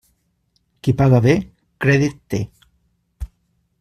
Qui paga bé, crèdit té.